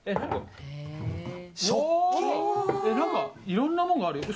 いろんなものがある。